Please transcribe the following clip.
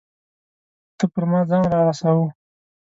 ده پر ما ځان را رساوه.